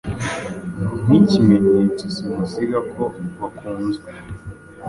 nk'ikimenyesto simusiga ko bakunzwe.